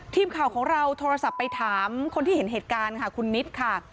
ทีมข่าวของเราโทรศัพท์ไปถามคนที่เห็นเหตุการณ์ค่ะคุณนิดค่ะ